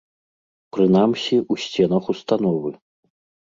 Прынамсі, у сценах установы.